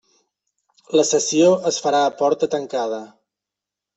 La sessió es farà a porta tancada.